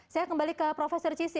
saya kembali ke profesor cissy